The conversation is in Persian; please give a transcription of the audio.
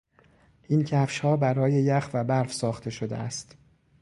این کفشها برای یخ و برف ساخته شده است.